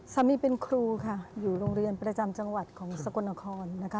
สามีเป็นครูค่ะอยู่โรงเรียนประจำจังหวัดของสกลนครนะคะ